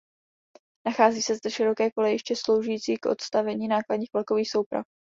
Nachází se zde široké kolejiště sloužící k odstavení nákladních vlakových souprav.